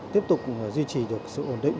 tiếp tục duy trì được sự ổn định